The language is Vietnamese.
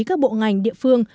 các bộ ngành địa phương